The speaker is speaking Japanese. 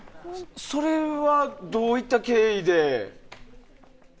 それは、どういった経緯で？